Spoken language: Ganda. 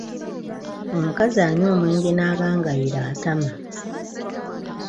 Omukazi anywa omwenge n’agangayira atama.